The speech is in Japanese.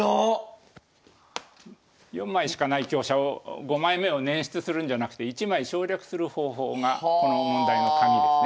４枚しかない香車を５枚目を捻出するんじゃなくて１枚省略する方法がこの問題の鍵ですね。